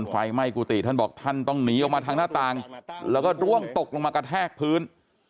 ไฟไหม้กุฏิท่านบอกท่านต้องหนีออกมาทางหน้าต่างแล้วก็ร่วงตกลงมากระแทกพื้น